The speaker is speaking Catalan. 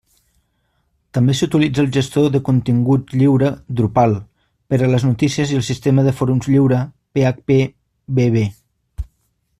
També s'utilitza el gestor de continguts lliure Drupal per a les notícies i el sistema de fòrums lliure phpBB.